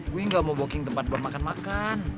gue gak mau booking tempat bermakan makan